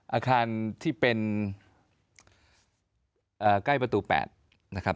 อาคารที่เป็นใกล้ประตู๘นะครับ